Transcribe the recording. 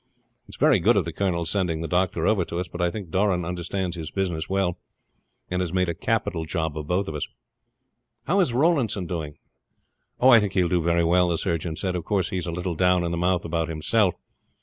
It is very good of the colonel sending the doctor over to us; but I think Doran understands his business well, and has made a capital job of both of us." "How is Rawlinson going on?" "Oh, I think he will do very well," the surgeon said. "Of course he's a little down in the mouth about himself.